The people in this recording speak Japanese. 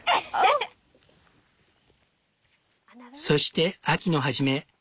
そして秋の初め。